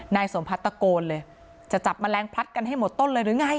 นายสมพัฒนตะโกนเลยจะจับแมลงพลัดกันให้หมดต้นเลยหรือไง